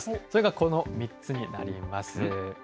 それがこの３つになります。